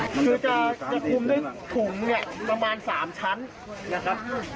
คือจะคุมด้วยถุงเนี่ยประมาณ๓ชั้นนะครับ